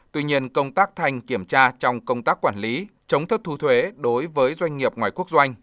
tuy nhiên công tác thanh kiểm tra trong công tác quản lý chống thất thu thuế đối với doanh nghiệp ngoài quốc doanh